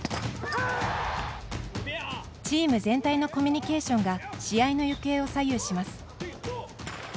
チーム全体のコミュニケーションが、試合の行方を左右します。